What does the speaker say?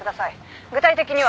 具体的には。